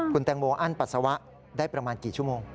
คุณแตงโมอั้นปัสสาวะได้ประมาณกี่ชั่วโมง